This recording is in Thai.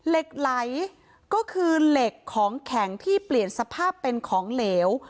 เหล็กไหลก็คือเหล็กของแข็งที่เปลี่ยนสภาพเป็นของเหลว